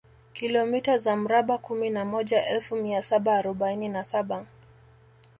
Kilomita za mraba kumi na moja elfu mia saba arobaini na saba